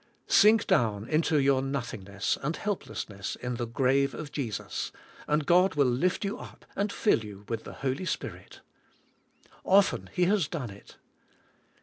Sink down into your nothing ness and helplessness in the grave of Jesus and God will lift you up and fill you with the Holy Spirit. Often He has done it.